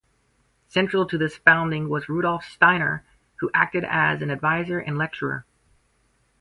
Central to this founding was Rudolf Steiner, who acted as an advisor and lecturer.